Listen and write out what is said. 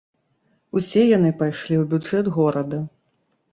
Усе яны пайшлі ў бюджэт горада.